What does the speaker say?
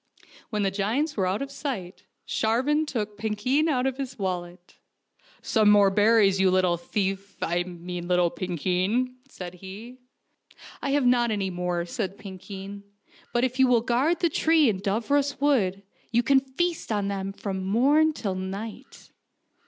When the giants were out of sight, Sharvan took Pinkeen out of his wallet. " Some more berries, you little thief I mean little Pinkeen," said he. " I have not any more," said Pinkeen ;" but if you will guard the tree in Dooros Wood you can feast on them from morn till night."